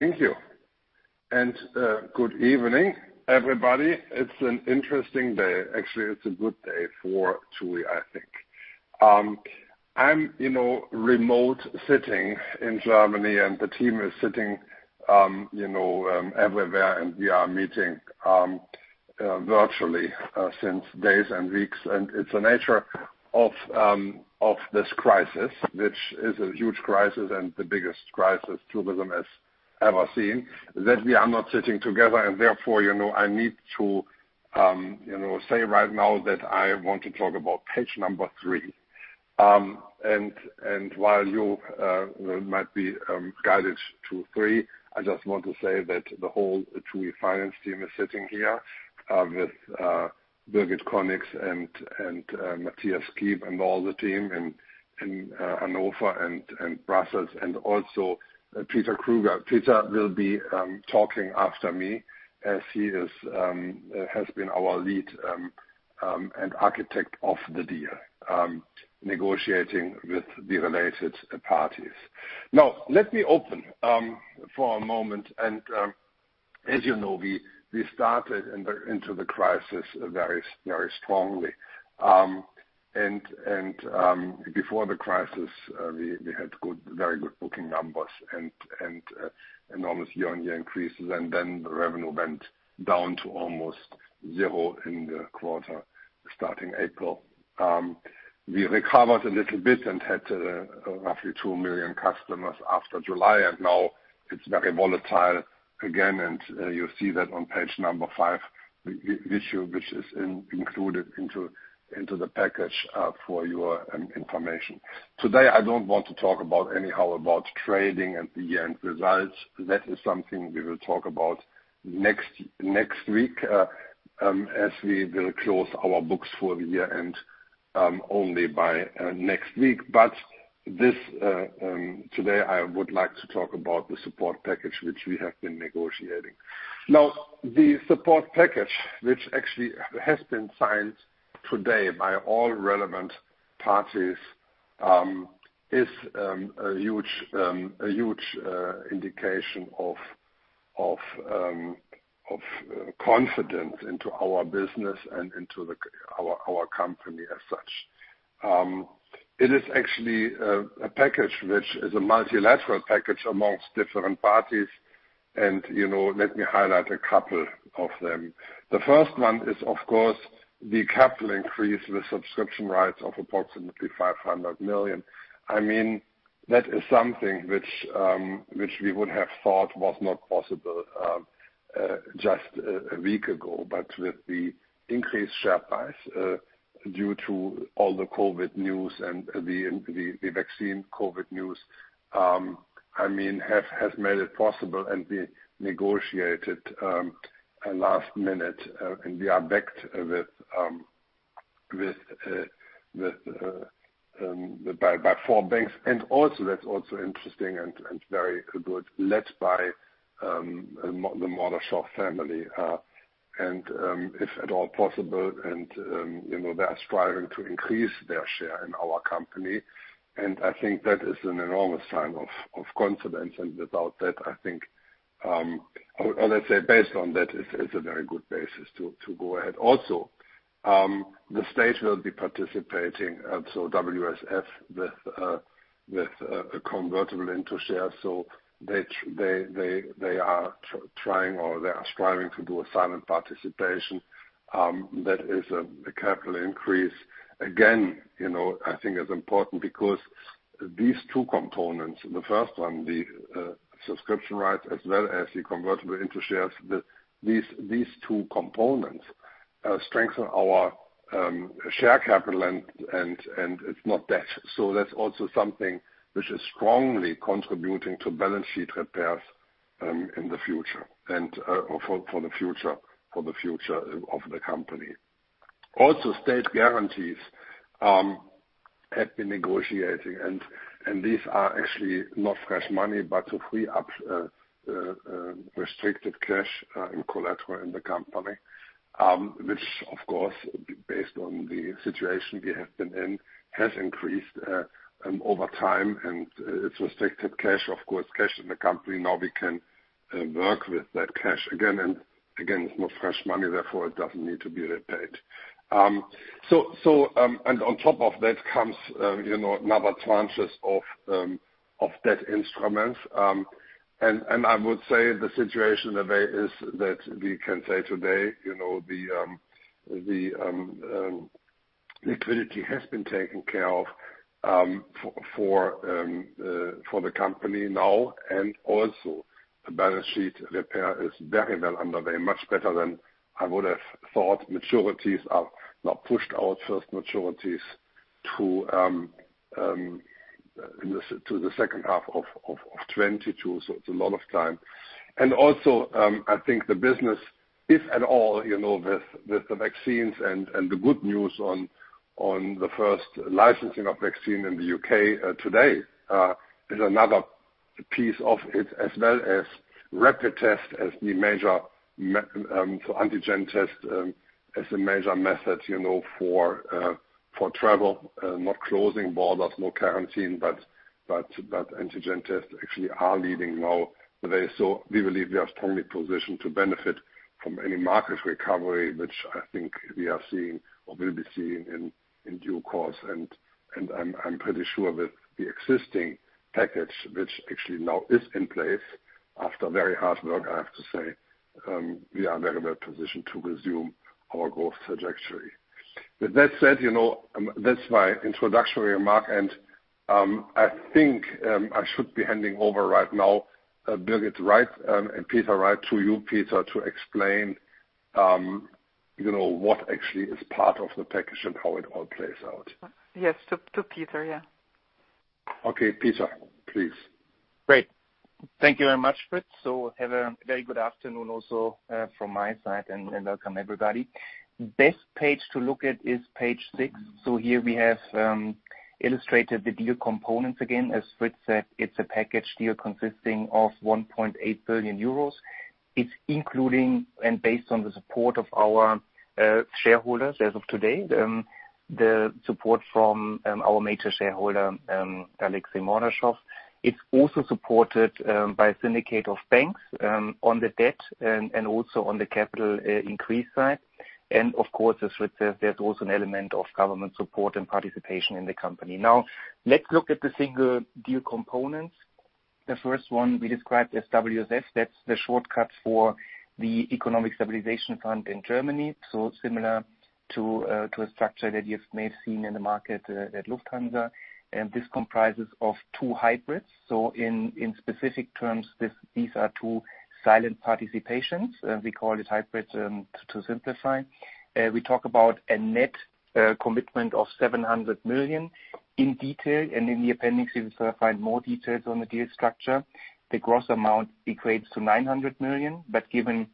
Thank you. Good evening, everybody. It's an interesting day. Actually, it's a good day for TUI, I think. I'm remote sitting in Germany, and the team is sitting everywhere, and we are meeting virtually since days and weeks. It's the nature of this crisis, which is a huge crisis and the biggest crisis tourism has ever seen, that we are not sitting together and therefore, I need to say right now that I want to talk about page number three. While you might be guided to three, I just want to say that the whole TUI finance team is sitting here with Birgit Conix and Mathias Kiep and all the team in Hanover and Brussels, and also Peter Krueger. Peter will be talking after me as he has been our lead and architect of the deal, negotiating with the related parties. Now, let me open for a moment and, as you know, we started into the crisis very strongly. Before the crisis, we had very good booking numbers and enormous year-on-year increases, and then the revenue went down to almost zero in the quarter starting April. We recovered a little bit and had roughly 2 million customers after July, and now it's very volatile again, and you see that on page number five, this here which is included into the package for your information. Today, I don't want to talk about anyhow about trading at the year-end results. That is something we will talk about next week, as we will close our books for the year-end only by next week. Today I would like to talk about the support package which we have been negotiating. The support package, which actually has been signed today by all relevant parties, is a huge indication of confidence into our business and into our company as such. It is actually a package which is a multilateral package among different parties. Let me highlight a couple of them. The first one is, of course, the capital increase with subscription rights of approximately 500 million. That is something which we would have thought was not possible just a week ago, but with the increased share price due to all the COVID news and the vaccine COVID news has made it possible, and we negotiated last minute, and we are backed by four banks. That's also interesting and very good, led by the Mordashov family. If at all possible, they are striving to increase their share in our company, and I think that is an enormous sign of confidence, and without that, I think. Let's say, based on that, it's a very good basis to go ahead. The state will be participating, WSF with a convertible into shares. They are trying, or they are striving to do a silent participation that is a capital increase. I think it's important because these two components, the first one, the subscription rights as well as the convertible into shares, these two components strengthen our share capital. It's not debt. That's also something which is strongly contributing to balance sheet repairs in the future and for the future of the company. State guarantees have been negotiated, and these are actually not fresh money, but to free up restricted cash and collateral in the company, which of course, based on the situation we have been in, has increased over time, and it's restricted cash, of course, cash in the company. Now we can work with that cash again, and again, it's not fresh money, therefore, it doesn't need to be repaid. On top of that comes another tranches of debt instruments. I would say the situation today is that we can say today the liquidity has been taken care of for the company now and also the balance sheet repair is very well underway, much better than I would have thought. Maturities are now pushed out, first maturities to the second half of 2022, so it's a lot of time. Also, I think the business, if at all, with the vaccines and the good news on the first licensing of vaccine in the U.K. today is another piece of it as well as rapid test as the major, so antigen test as a major method for travel, not closing borders, no quarantine, but antigen tests actually are leading now. We believe we are strongly positioned to benefit from any market recovery, which I think we are seeing or will be seeing in due course. I'm pretty sure that the existing package, which actually now is in place after very hard work, I have to say, we are very well positioned to resume our growth trajectory. With that said, that's my introductory remark, and I think I should be handing over right now, Birgit, right? Peter, right to you, Peter, to explain what actually is part of the package and how it all plays out. Yes. To Peter, yeah. Okay. Peter, please. Great. Thank you very much, Fritz. Have a very good afternoon also from my side, and welcome everybody. Best page to look at is page six. Here we have illustrated the deal components again. As Fritz said, it's a package deal consisting of €1.8 billion. It's including and based on the support of our shareholders as of today, the support from our major shareholder, Alexey Mordashov. It's also supported by a syndicate of banks on the debt and also on the capital increase side. Of course, as Fritz said, there's also an element of government support and participation in the company. Now, let's look at the single deal components. The first one we described as WSF, that's the shortcut for the Economic Stabilization Fund in Germany. Similar to a structure that you may have seen in the market at Lufthansa, and this comprises of two hybrids. In specific terms, these are two silent participations. We call it hybrids to simplify. We talk about a net commitment of 700 million in detail, and in the appendix, you will find more details on the deal structure. The gross amount equates to 900 million, but given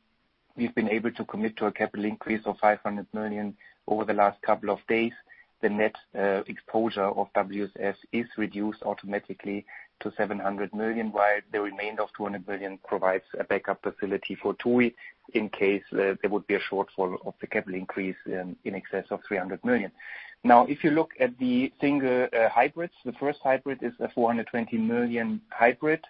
we've been able to commit to a capital increase of 500 million over the last couple of days, the net exposure of WSF is reduced automatically to 700 million, while the remainder of 200 million provides a backup facility for TUI in case there would be a shortfall of the capital increase in excess of 300 million. If you look at the single hybrids, the first hybrid is a 420 million hybrid.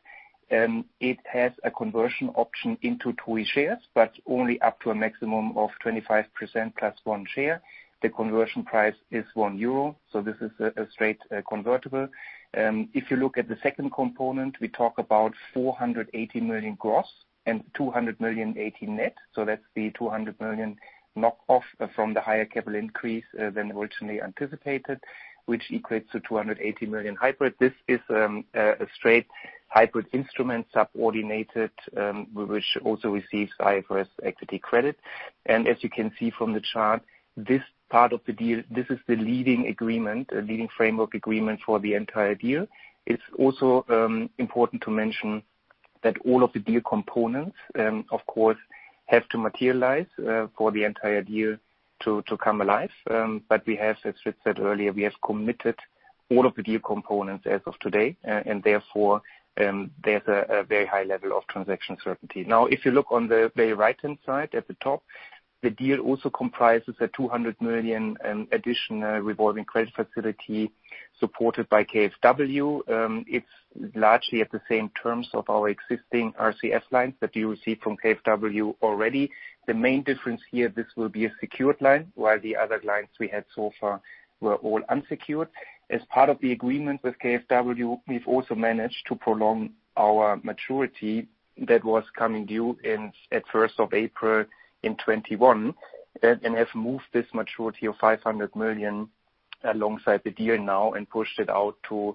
It has a conversion option into TUI shares, but only up to a maximum of 25%+ one share. The conversion price is 1 euro. This is a straight convertible. If you look at the second component, we talk about 480 million gross and 200 million 80 net. That's the 200 million knock-off from the higher capital increase than originally anticipated, which equates to 280 million hybrid. This is a straight hybrid instrument subordinated, which also receives IFRS equity credit. As you can see from the chart, this part of the deal, this is the leading agreement, leading framework agreement for the entire deal. It's also important to mention that all of the deal components, of course, have to materialize for the entire deal to come alive. We have, as Fritz said earlier, we have committed all of the deal components as of today. Therefore, there's a very high level of transaction certainty. If you look on the very right-hand side at the top, the deal also comprises a 200 million additional revolving credit facility supported by KfW. It's largely at the same terms of our existing RCF lines that you receive from KfW already. The main difference here. This will be a secured line, while the other lines we had so far were all unsecured. As part of the agreement with KfW, we've also managed to prolong our maturity that was coming due at 1st of April in 2021, and have moved this maturity of 500 million alongside the deal now and pushed it out to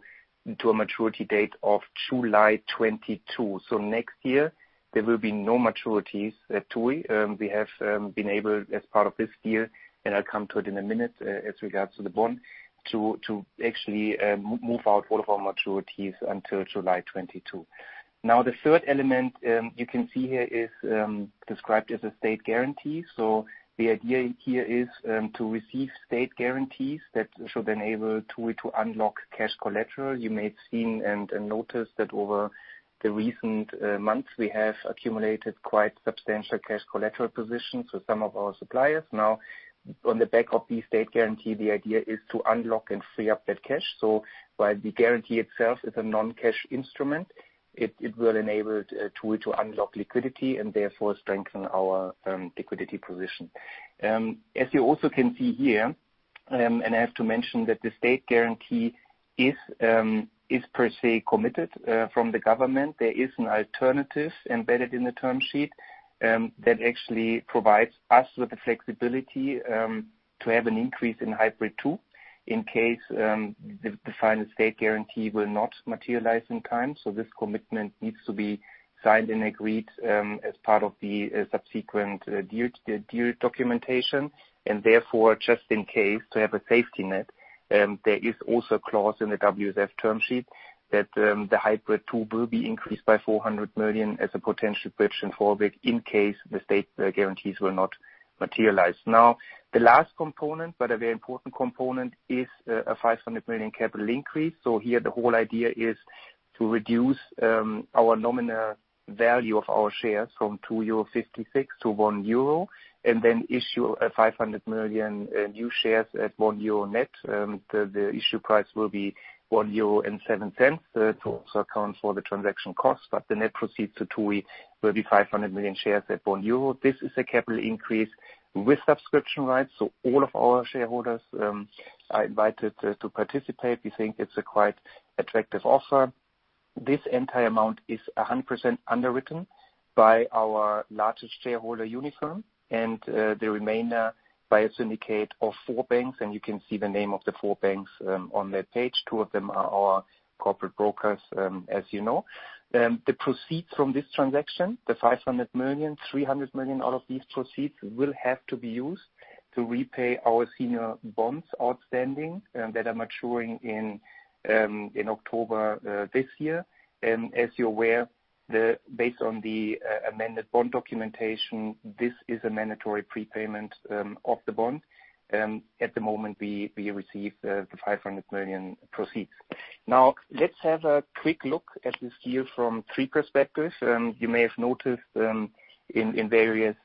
a maturity date of July 2022. Next year, there will be no maturities at TUI. We have been able, as part of this deal, and I'll come to it in a minute as regards to the bond, to actually move out all of our maturities until July 2022. The third element you can see here is described as a state guarantee. The idea here is to receive state guarantees that should enable TUI to unlock cash collateral. You may have seen and noticed that over the recent months, we have accumulated quite substantial cash collateral positions with some of our suppliers. On the back of the state guarantee, the idea is to unlock and free up that cash. While the guarantee itself is a non-cash instrument, it will enable TUI to unlock liquidity and therefore strengthen our liquidity position. As you also can see here, and I have to mention that the state guarantee is per se committed from the government. There is an alternative embedded in the term sheet that actually provides us with the flexibility to have an increase in hybrid two in case the final state guarantee will not materialize in time. This commitment needs to be signed and agreed as part of the subsequent deal documentation, and therefore, just in case, to have a safety net, there is also a clause in the WSF term sheet that the hybrid two will be increased by 400 million as a potential bridge in case the state guarantees will not materialize. The last component, but a very important component, is a 500 million capital increase. Here the whole idea is to reduce our nominal value of our shares from 2.56 euro to 1 euro and then issue 500 million new shares at 1 euro net. The issue price will be 1.7 euro to also account for the transaction costs, the net proceed to TUI will be 500 million shares at 1 euro. This is a capital increase with subscription rights. All of our shareholders are invited to participate. We think it's a quite attractive offer. This entire amount is 100% underwritten by our largest shareholder, Unifirm, and the remainder by a syndicate of four banks, and you can see the name of the four banks on that page. Two of them are our corporate brokers, as you know. The proceeds from this transaction, the 500 million, 300 million out of these proceeds will have to be used to repay our senior bonds outstanding that are maturing in October this year. As you're aware, based on the amended bond documentation, this is a mandatory prepayment of the bond. At the moment, we receive the 500 million proceeds. Let's have a quick look at this deal from three perspectives. You may have noticed in various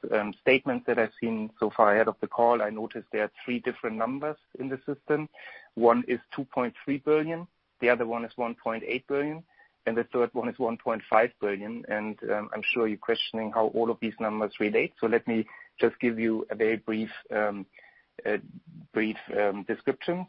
statements that I've seen so far ahead of the call, I noticed there are three different numbers in the system. One is 2.3 billion, the other one is 1.8 billion, and the third one is 1.5 billion, and I'm sure you're questioning how all of these numbers relate. Let me just give you a very brief description.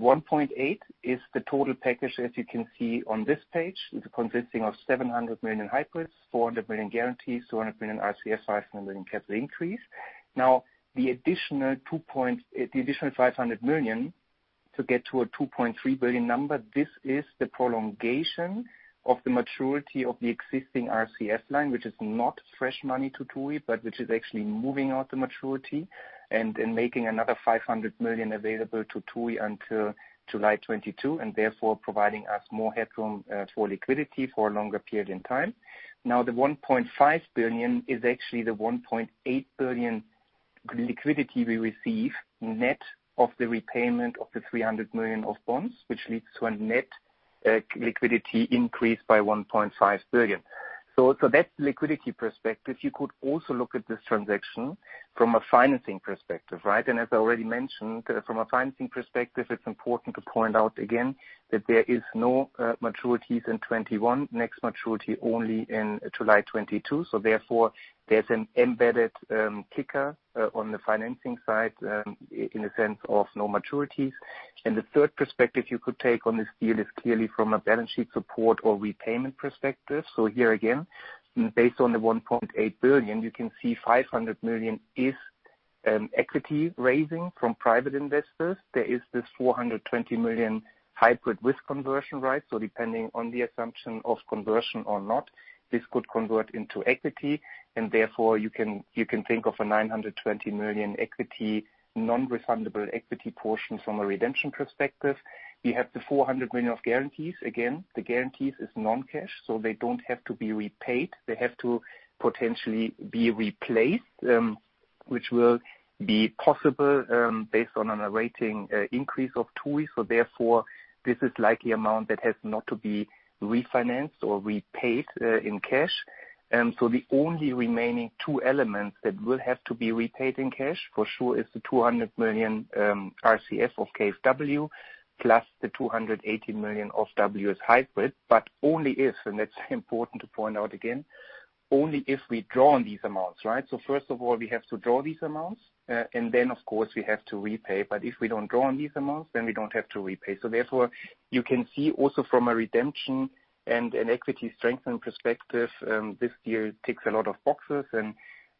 1.8 is the total package, as you can see on this page, consisting of 700 million hybrids, 400 million guarantees, 200 million RCF, 500 million capital increase. The additional 500 million to get to a 2.3 billion number, this is the prolongation of the maturity of the existing RCF line, which is not fresh money to TUI, but which is actually moving out the maturity and then making another 500 million available to TUI until July 2022, therefore providing us more headroom for liquidity for a longer period in time. The 1.5 billion is actually the 1.8 billion liquidity we receive net of the repayment of the 300 million of bonds, which leads to a net liquidity increase by 1.5 billion. That's the liquidity perspective. You could also look at this transaction from a financing perspective. As I already mentioned, from a financing perspective, it's important to point out again that there is no maturities in 2021, next maturity only in July 2022. Therefore there's an embedded kicker on the financing side in the sense of no maturities. The third perspective you could take on this deal is clearly from a balance sheet support or repayment perspective. Here again, based on the 1.8 billion, you can see 500 million is equity raising from private investors. There is this 420 million hybrid with conversion, so depending on the assumption of conversion or not, this could convert into equity, and therefore you can think of a 920 million non-refundable equity portion from a redemption perspective. You have the 400 million of guarantees. Again, the guarantees is non-cash, so they don't have to be repaid. They have to potentially be replaced, which will be possible based on a rating increase of TUI. Therefore, this is likely amount that has not to be refinanced or repaid in cash. The only remaining two elements that will have to be repaid in cash for sure is the 200 million RCF of KfW plus the 280 million of WSF hybrid. Only if, and it's important to point out again, only if we draw on these amounts. First of all, we have to draw these amounts, and then of course we have to repay. If we don't draw on these amounts, then we don't have to repay. Therefore, you can see also from a redemption and an equity strengthening perspective, this deal ticks a lot of boxes and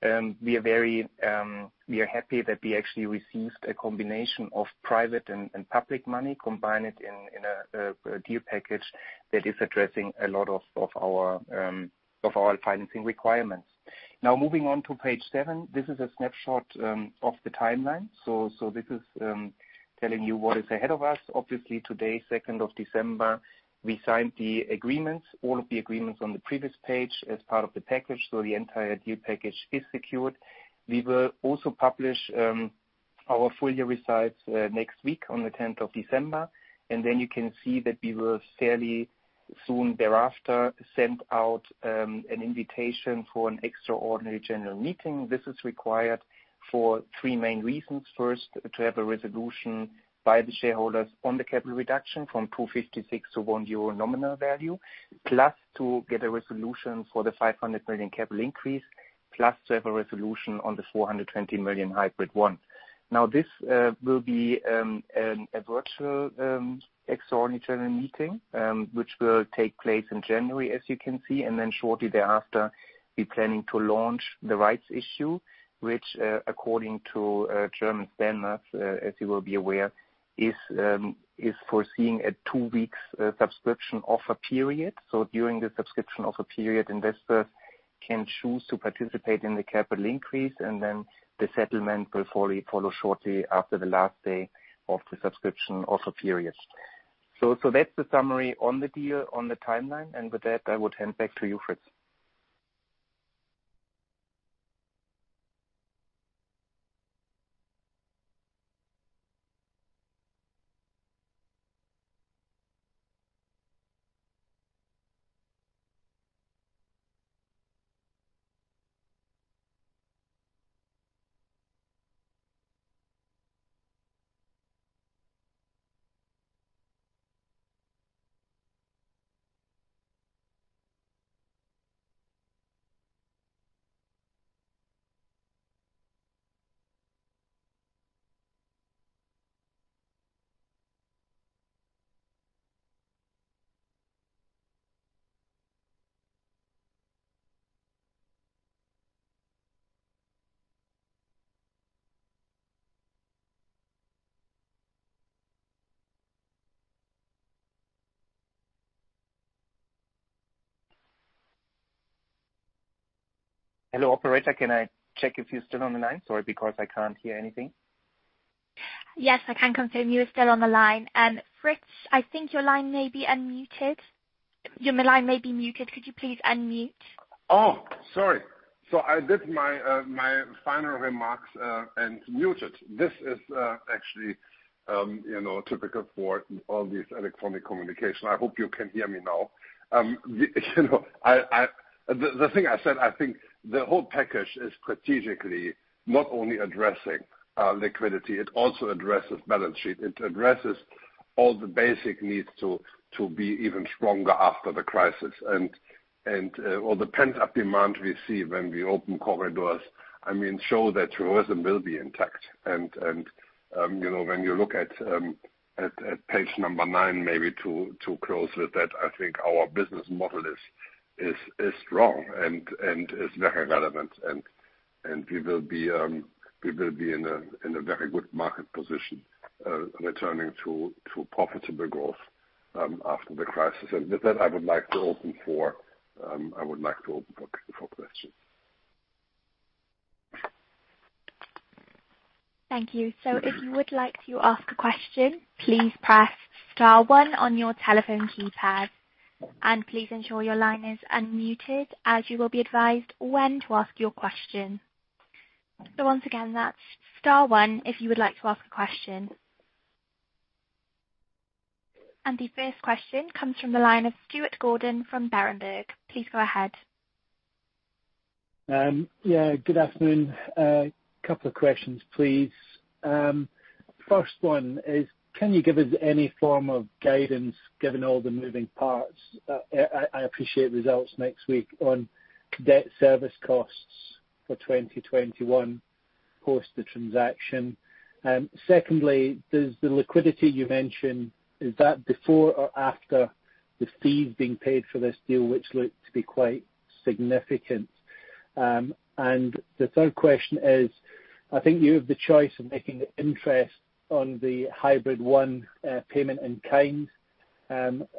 we are happy that we actually received a combination of private and public money, combine it in a deal package that is addressing a lot of our financing requirements. Now, moving on to page seven. This is a snapshot of the timeline. This is telling you what is ahead of us. Obviously, today, 2nd of December, we signed the agreements, all of the agreements on the previous page as part of the package. The entire deal package is secured. We will also publish our full-year results next week on the 10th of December, you can see that we will fairly soon thereafter send out an invitation for an extraordinary general meeting. This is required for three main reasons. First, to have a resolution by the shareholders on the capital reduction from 2.56 to 1 euro nominal value, plus to get a resolution for the 500 million capital increase, plus to have a resolution on the 420 million hybrid one. This will be a virtual extraordinary general meeting, which will take place in January, as you can see, and then shortly thereafter, we're planning to launch the rights issue, which, according to German standards, as you will be aware, is foreseeing a two weeks subscription offer period. During the subscription offer period, investors can choose to participate in the capital increase, and then the settlement will follow shortly after the last day of the subscription offer period. That's the summary on the deal, on the timeline, and with that, I will hand back to you, Fritz. Hello, operator. Can I check if you're still on the line? Sorry, because I can't hear anything. Yes, I can confirm you are still on the line. Fritz, I think your line may be unmuted. Your line may be muted. Could you please unmute? Oh, sorry. I did my final remarks and muted. This is actually typical for all these electronic communication. I hope you can hear me now. The thing I said, I think the whole package is strategically not only addressing liquidity, it also addresses balance sheet. It addresses all the basic needs to be even stronger after the crisis. All the pent-up demand we see when we open corridors show that tourism will be intact. When you look at page number nine maybe to close with that, I think our business model is strong and is very relevant and we will be in a very good market position, returning to profitable growth after the crisis. With that, I would like to open for questions. Thank you. If you would like to ask a question, please press star one on your telephone keypad. Please ensure your line is unmuted as you will be advised when to ask your question. Once again, that's star one if you would like to ask a question. The first question comes from the line of Stuart Gordon from Berenberg. Please go ahead. Good afternoon. A couple of questions, please. First one is, can you give us any form of guidance, given all the moving parts, I appreciate results next week, on debt service costs for 2021 post the transaction? Secondly, does the liquidity you mentioned, is that before or after the fees being paid for this deal, which look to be quite significant? The third question is, I think you have the choice of making the interest on the hybrid one payment in kind.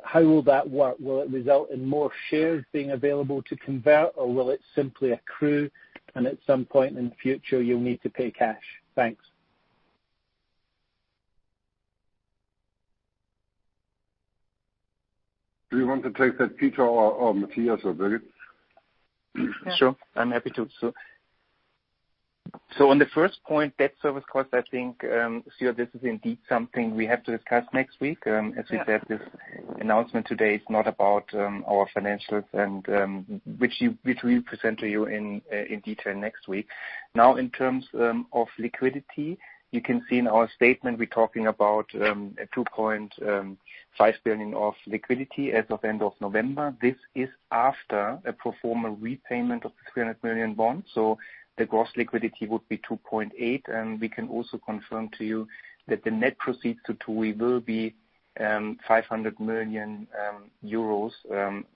How will that work? Will it result in more shares being available to convert, or will it simply accrue and at some point in the future you'll need to pay cash? Thanks. Do you want to take that, Peter or Mathias or both? Sure, I'm happy to. On the first point, debt service cost, I think, Stuart, this is indeed something we have to discuss next week. As we said, this announcement today is not about our financials and which we present to you in detail next week. Now, in terms of liquidity, you can see in our statement we're talking about 2.5 billion of liquidity as of end of November. This is after a pro forma repayment of the 300 million bond. The gross liquidity would be 2.8 and we can also confirm to you that the net proceeds to TUI will be 500 million euros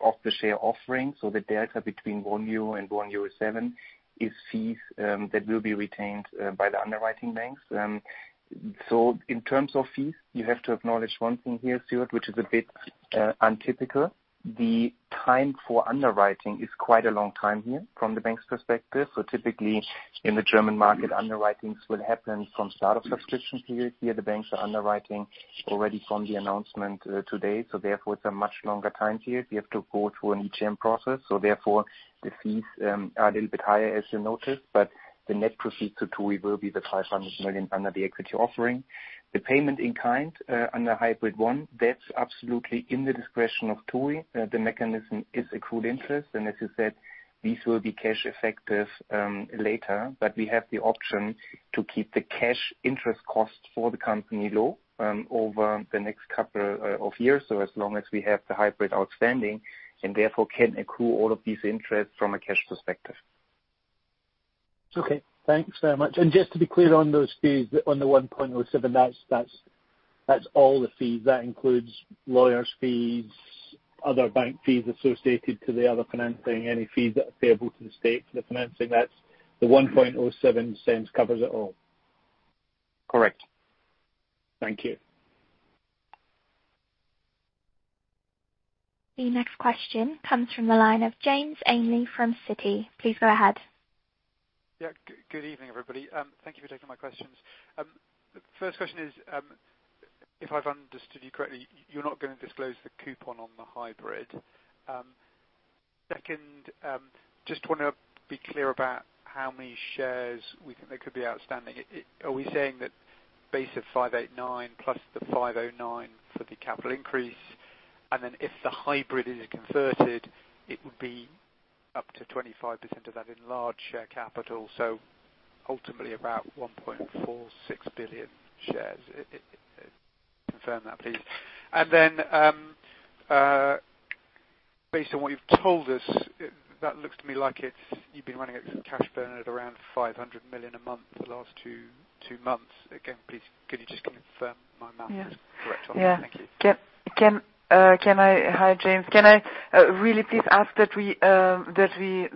of the share offering. The delta between one EUR and 1.07 euro is fees that will be retained by the underwriting banks. In terms of fees, you have to acknowledge one thing here, Stuart, which is a bit untypical. The time for underwriting is quite a long time here from the bank's perspective. Typically in the German market, underwritings will happen from start of subscription period. Here the banks are underwriting already from the announcement today, therefore it's a much longer time period. We have to go through an ECM process, therefore the fees are a little bit higher as you noticed, but the net proceed to TUI will be the $500 million under the equity offering. The payment in kind, under hybrid one, that's absolutely in the discretion of TUI. The mechanism is accrued interest, as you said, this will be cash effective later. We have the option to keep the cash interest cost for the company low over the next couple of years, so as long as we have the hybrid outstanding, and therefore can accrue all of these interests from a cash perspective. Okay, thanks very much. Just to be clear on those fees on the 0.0107, that's all the fees. That includes lawyers' fees, other bank fees associated to the other financing, any fees that are payable to the state for the financing, that's the 0.0107 covers it all? Correct. Thank you. The next question comes from the line of James Ainley from Citi. Please go ahead. Yeah. Good evening, everybody. Thank you for taking my questions. The first question is, if I've understood you correctly, you're not gonna disclose the coupon on the hybrid. Second, just want to be clear about how many shares we think there could be outstanding. Are we saying that base of 589 plus the 509 for the capital increase? If the hybrid is converted, it would be up to 25% of that in large share capital, so ultimately about 1.46 billion shares. Confirm that, please. Based on what you've told us, that looks to me like you've been running at some cash burn at around 500 million a month the last two months. Again, please, could you just confirm my math is correct? Yeah. Thank you. Hi, James. Can I really please ask that we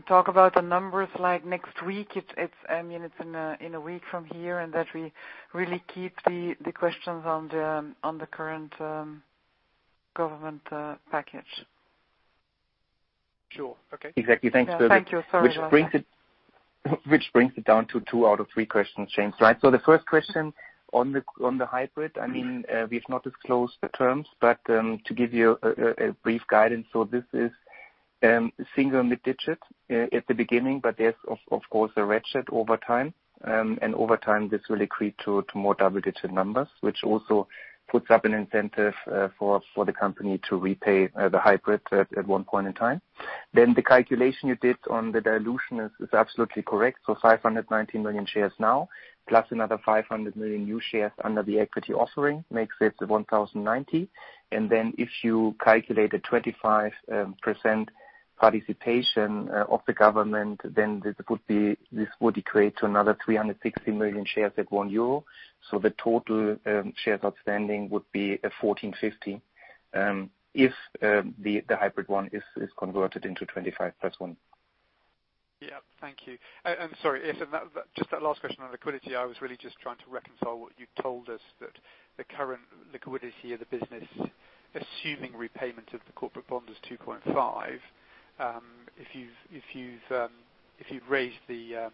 talk about the numbers next week? It is in a week from here, and that we really keep the questions on the current government package. Sure. Okay. Exactly. Thanks, James. Thank you. Sorry about that. Which brings it down to two out of three questions, James, right? The first question on the hybrid. We've not disclosed the terms, but to give you a brief guidance, this is single mid digits at the beginning, but there's of course a ratchet over time. Over time, this will accrete to more double digit numbers, which also puts up an incentive for the company to repay the hybrid at one point in time. The calculation you did on the dilution is absolutely correct. 519 million shares now, plus another 500 million new shares under the equity offering, makes it 1,090. If you calculate a 25% participation of the government, this would accrete to another 360 million shares at 1 euro. The total shares outstanding would be 1,450, if the hybrid one is converted into 25+ one. Yeah. Thank you. Sorry, just that last question on liquidity, I was really just trying to reconcile what you told us that the current liquidity of the business, assuming repayment of the corporate bond is 2.5. If you've raised the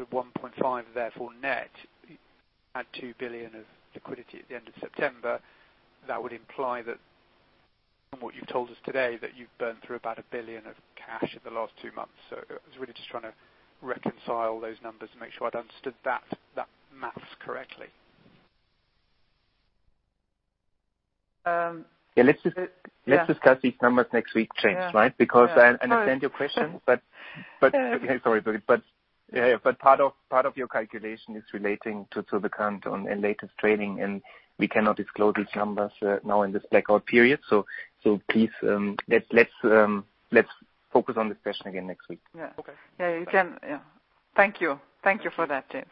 1.5 therefore net, add 2 billion of liquidity at the end of September, that would imply that from what you've told us today, that you've burned through about 1 billion of cash in the last two months. I was really just trying to reconcile those numbers and make sure I'd understood that maths correctly. Let's discuss these numbers next week, James, right? I understand your question, sorry, but part of your calculation is relating to the current on and latest trading, and we cannot disclose these numbers now in this blackout period. Please, let's focus on this question again next week. Okay. Yeah, you can. Thank you. Thank you for that, James.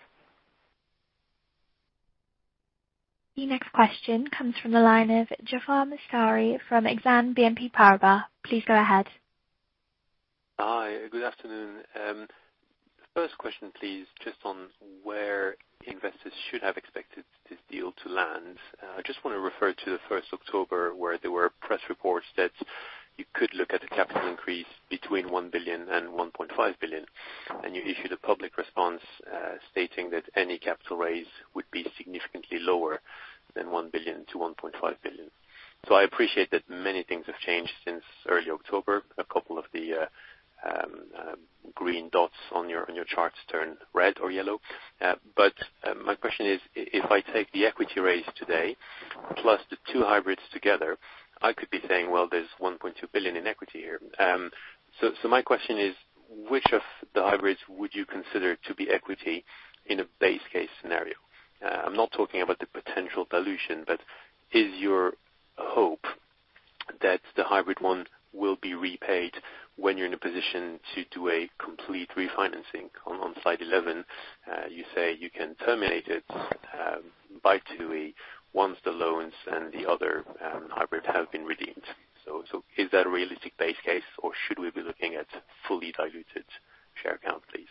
The next question comes from the line of Jaafar Mestari from Exane BNP Paribas. Please go ahead. Hi. Good afternoon. First question, please, just on where investors should have expected this deal to land. I just want to refer to the first October, where there were press reports that you could look at a capital increase between 1 billion and 1.5 billion. You issued a public response, stating that any capital raise would be significantly lower than 1 billion to 1.5 billion. I appreciate that many things have changed since early October. A couple of the green dots on your charts turn red or yellow. My question is, if I take the equity raise today plus the two hybrids together, I could be saying, well, there's 1.2 billion in equity here. My question is, which of the hybrids would you consider to be equity in a base case scenario? I'm not talking about the potential dilution, but is your hope that the hybrid one will be repaid when you're in a position to do a complete refinancing on slide 11? You say you can terminate it by TUI once the loans and the other hybrid have been redeemed. Is that a realistic base case, or should we be looking at fully diluted share count, please?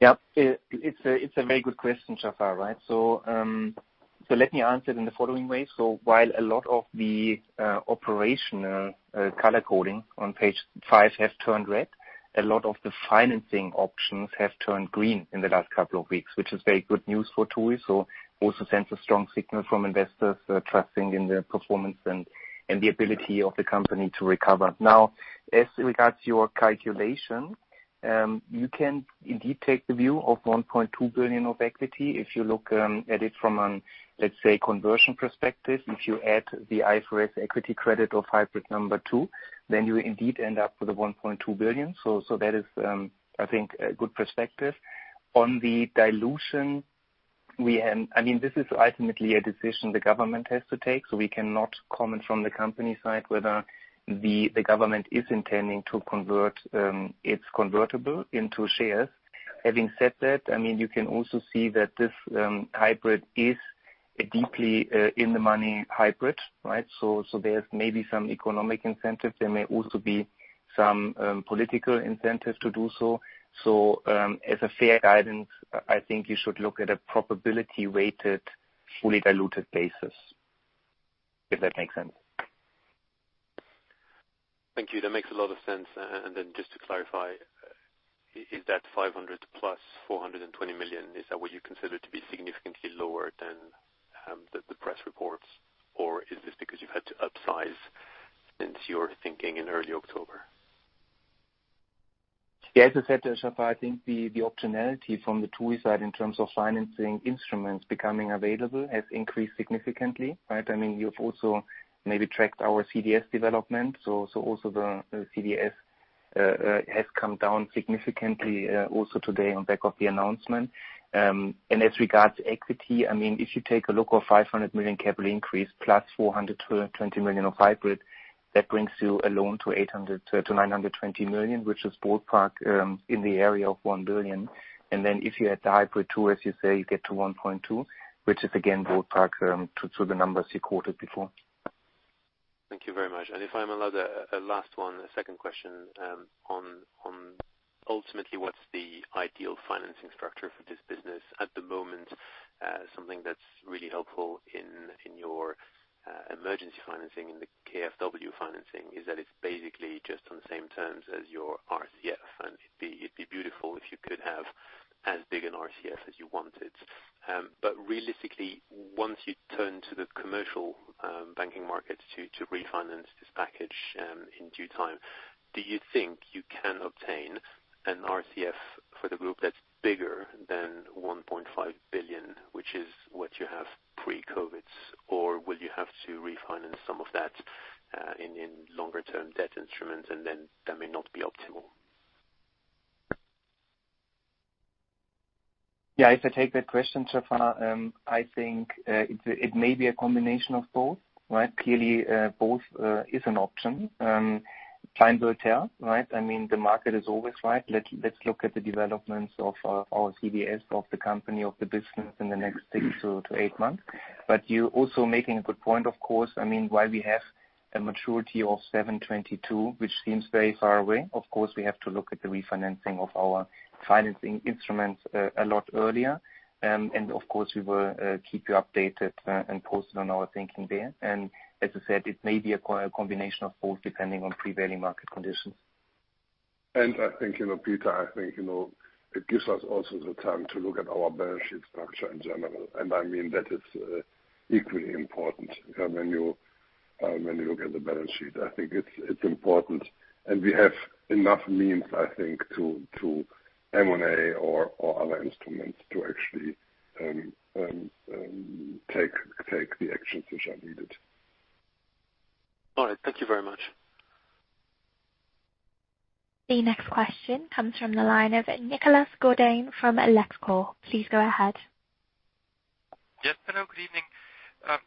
Yeah. It's a very good question, Jaafar. Let me answer it in the following way. While a lot of the operational color coding on page five have turned red, a lot of the financing options have turned green in the last couple of weeks, which is very good news for TUI. Also sends a strong signal from investors trusting in the performance and the ability of the company to recover. Now, as regards your calculation, you can indeed take the view of 1.2 billion of equity if you look at it from an, let's say, conversion perspective. If you add the IFRS equity credit of hybrid number two, then you indeed end up with a 1.2 billion. That is, I think, a good perspective. On the dilution, this is ultimately a decision the government has to take, so we cannot comment from the company side whether the government is intending to convert its convertible into shares. Having said that, you can also see that this hybrid is a deeply in the money hybrid, right? There's maybe some economic incentives. There may also be some political incentives to do so. As a fair guidance, I think you should look at a probability-weighted, fully diluted basis. If that makes sense. Thank you. That makes a lot of sense. Then just to clarify, is that 500 million plus 420 million, is that what you consider to be significantly lower than the press reports? Or is this because you've had to upsize since your thinking in early October? Yeah, as I said, Jaafar, I think the optionality from the TUI side in terms of financing instruments becoming available has increased significantly, right? You've also maybe tracked our CDS development. Also the CDS has come down significantly, also today on back of the announcement. As regards equity, if you take a look of 500 million capital increase plus 420 million of hybrid, that brings you a loan to 800-920 million, which is ballpark in the area of 1 billion. If you add the hybrid too, as you say, you get to 1.2 billion, which is again, ballpark to the numbers you quoted before. Thank you very much. If I'm allowed a last one, a second question, on ultimately what's the ideal financing structure for this business at the moment? Something that's really helpful in your emergency financing, in the KfW financing, is that it's basically just on the same terms as your RCF, and it'd be beautiful if you could have as big an RCF as you wanted. Realistically, once you turn to the commercial banking market to refinance this package in due time, do you think you can obtain an RCF for the group that's bigger than 1.5 billion, which is what you have pre-COVID? Will you have to refinance some of that in longer-term debt instruments, and then that may not be optimal? Yeah, if I take that question, Jaafar, I think it may be a combination of both, right? Clearly, both is an option. Time will tell, right? The market is always right. Let's look at the developments of our CDS, of the company, of the business in the next six to eight months. You're also making a good point, of course. While we have a maturity of 722, which seems very far away, of course, we have to look at the refinancing of our financing instruments a lot earlier. Of course, we will keep you updated and posted on our thinking there. As I said, it may be a combination of both, depending on prevailing market conditions. I think, Peter, I think it gives us also the time to look at our balance sheet structure in general. I mean, that is equally important when you look at the balance sheet. I think it's important. We have enough means, I think, to M&A or other instruments to actually take the actions which are needed. All right. Thank you very much. The next question comes from the line of Nicholas Penney from Helikon. Please go ahead. Yes. Hello, good evening.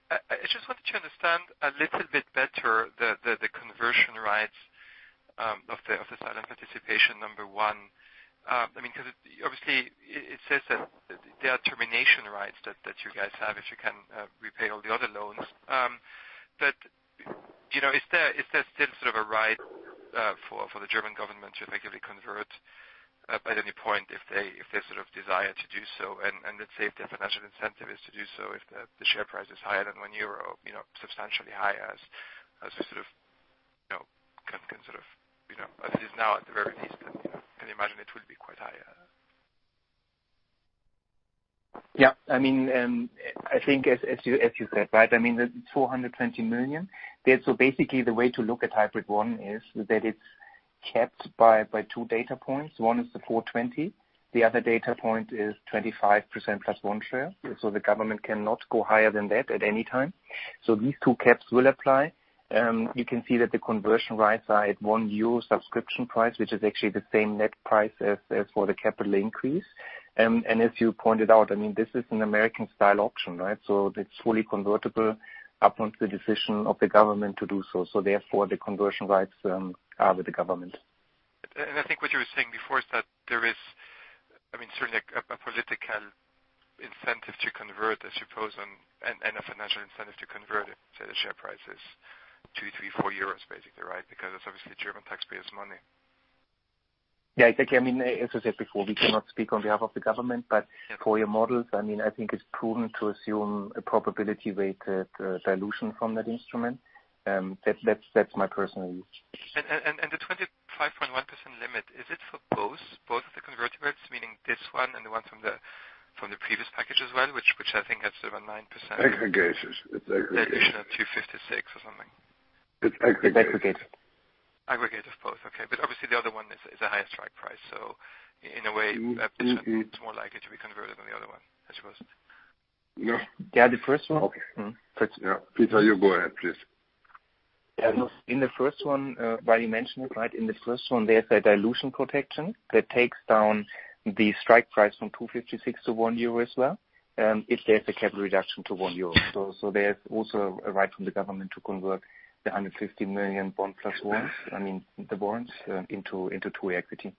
I just wanted to understand a little bit better the conversion rights of the silent participation, number one. Obviously it says that there are termination rights that you guys have if you can repay all the other loans. Is there still sort of a right for the German government to effectively convert by any point if they sort of desire to do so, and let's say if their financial incentive is to do so, if the share price is higher than one EUR, substantially higher as it is now at the very least. I can imagine it will be quite high. Yeah. I think as you said, right, the 420 million. Basically the way to look at hybrid one is that it's capped by two data points. One is the 420. The other data point is 25%+ one share. The government cannot go higher than that at any time. These two caps will apply. You can see that the conversion rights are at one EUR subscription price, which is actually the same net price as for the capital increase. As you pointed out, this is an American style option, right? It's fully convertible upon the decision of the government to do so. Therefore, the conversion rights are with the government. I think what you were saying before is that there is certainly a political incentive to convert, I suppose, and a financial incentive to convert it. Say the share price is 2, 3, 4 euros basically, right? Because it's obviously German taxpayers' money. Yeah, exactly. As I said before, we cannot speak on behalf of the government. For your models, I think it's prudent to assume a probability-weighted dilution from that instrument. That's my personal view. The 25.1% limit, is it for both of the convertibles, meaning this one and the one from the previous package as well, which I think has around 9%? Aggregates. It's aggregates. The addition of 256 or something. It's aggregate. It's aggregate. Aggregate of both, okay. Obviously the other one is a higher strike price. In a way, it's more likely to be converted than the other one, I suppose. No. Yeah, the first one. Okay. Yeah. Peter, you go ahead, please. In the first one, while you mentioned it, right, in the first one, there's a dilution protection that takes down the strike price from 256 to 1 euro as well. If there's a capital reduction to 1 euro. There's also a right from the government to convert the 150 million bond plus ones. The warrants into TUI equity.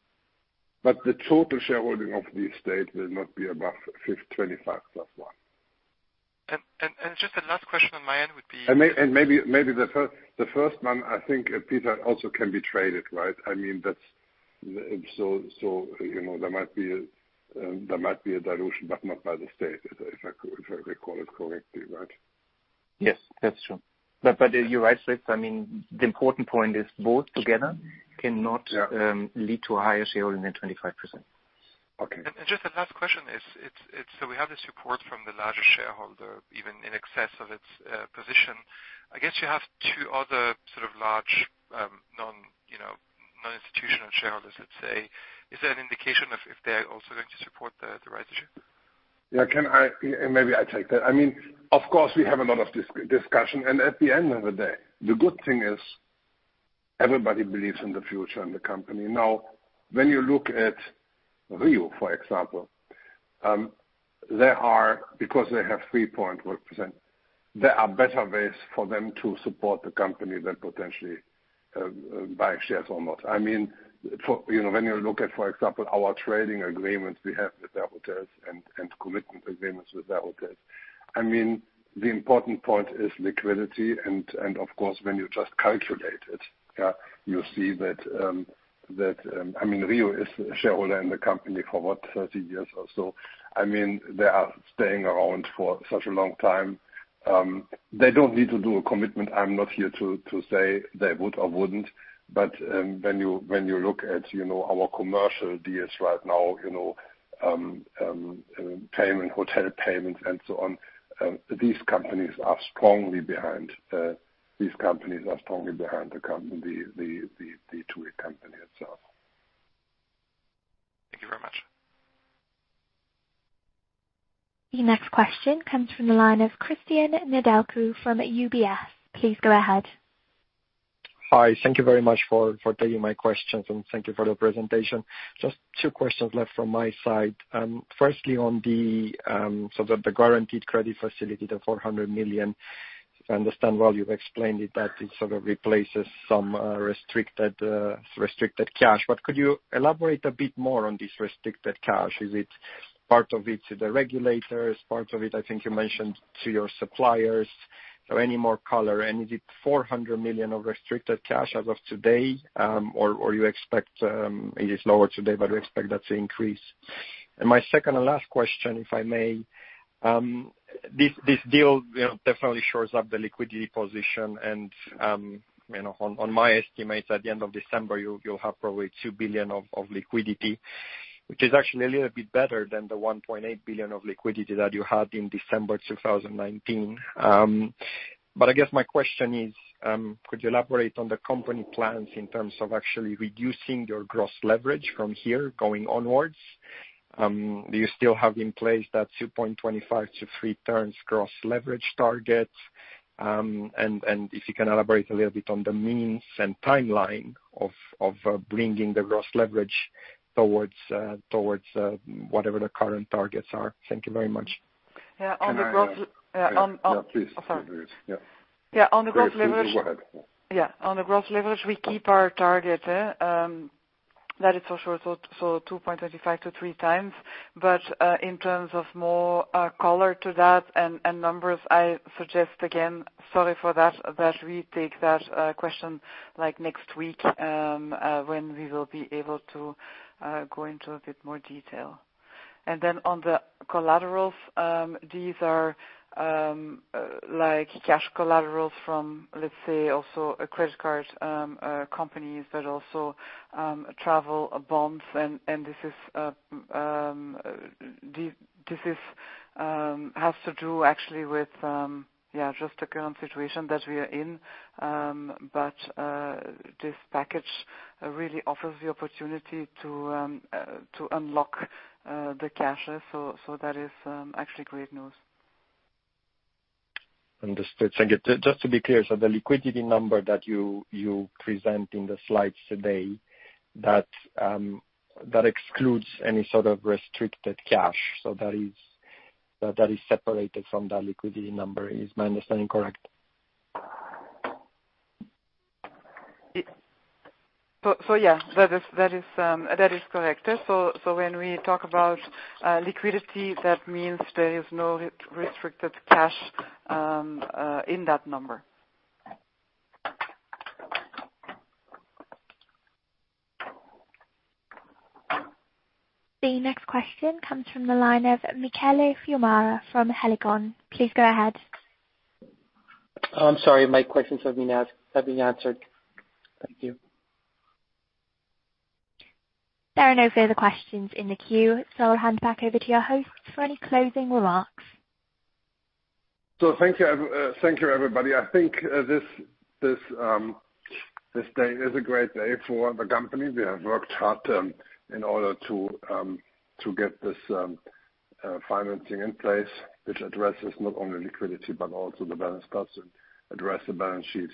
The total shareholding of the estate will not be above 25+ one. Just the last question on my end would be. Maybe the first one, I think, Peter, also can be traded, right? There might be a dilution, but not by the state, if I recall it correctly, right? Yes, that's true. You're right, Fritz. The important point is both together cannot lead to a higher shareholding than 25%. Okay. Just a last question is, we have the support from the largest shareholder, even in excess of its position. I guess you have two other sort of large non-institutional shareholders, let's say. Is that an indication if they're also going to support the rights issue? Yeah. Maybe I take that. Of course, we have a lot of discussion, and at the end of the day, the good thing is everybody believes in the future and the company. Now, when you look at RIU, for example, because they have 3.1%, there are better ways for them to support the company than potentially buying shares or not. When you look at, for example, our trading agreements we have with hotels and commitment agreements with hotels, the important point is liquidity and of course, when you just calculate it, you see that RIU is a shareholder in the company for what, 30 years or so. They are staying around for such a long time. They don't need to do a commitment. I'm not here to say they would or wouldn't. When you look at our commercial deals right now, hotel payments and so on, these companies are strongly behind the TUI company itself. Thank you very much. The next question comes from the line of Cristian Nedelcu from UBS. Please go ahead. Hi. Thank you very much for taking my questions, and thank you for your presentation. Just two questions left from my side. Firstly, on the guaranteed credit facility, the 400 million. I understand, well, you've explained it, that it sort of replaces some restricted cash. Could you elaborate a bit more on this restricted cash? Is it part of it to the regulators, part of it, I think you mentioned, to your suppliers? Any more color, and is it 400 million of restricted cash as of today? It is lower today, but you expect that to increase? My second and last question, if I may. This deal definitely shores up the liquidity position and, on my estimates, at the end of December, you'll have probably 2 billion of liquidity, which is actually a little bit better than the 1.8 billion of liquidity that you had in December 2019. I guess my question is, could you elaborate on the company plans in terms of actually reducing your gross leverage from here going onwards? Do you still have in place that 2.25x to 3x gross leverage target? If you can elaborate a little bit on the means and timeline of bringing the gross leverage towards whatever the current targets are. Thank you very much. Yeah. Can I? Oh, sorry. Please. Yeah. Yeah, on the gross leverage. Go ahead. Yeah. On the gross leverage, we keep our target. That is also 2.25x to 3x. In terms of more color to that and numbers, I suggest again, sorry for that we take that question next week, when we will be able to go into a bit more detail. On the collaterals, these are cash collaterals from, let's say, also credit card companies, but also travel bonds. This has to do actually with just the current situation that we are in. This package really offers the opportunity to unlock the cash. That is actually great news. Understood. Thank you. Just to be clear, the liquidity number that you present in the slides today, that excludes any sort of restricted cash. That is separated from that liquidity number. Is my understanding correct? Yeah, that is correct. When we talk about liquidity, that means there is no restricted cash in that number. The next question comes from the line of Michele Fiumara from Helikon. Please go ahead. I'm sorry. My questions have been answered. Thank you. There are no further questions in the queue, so I'll hand back over to your host for any closing remarks. Thank you, everybody. I think this day is a great day for the company. We have worked hard in order to get this financing in place, which addresses not only liquidity but also the balance sheets and address the balance sheets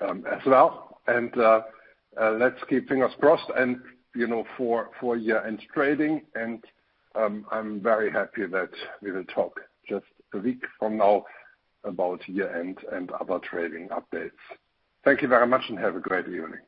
as well. Let's keep fingers crossed and for year-end trading, and I'm very happy that we will talk just a week from now about year-end and other trading updates. Thank you very much, and have a great evening.